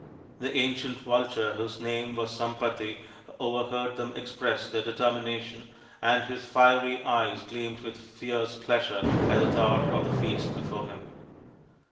The ancient vulture whose name was Sampati overheard them express their determination, and his fiery eyes gleamed with fierce pleasure at the thought of the feast before him.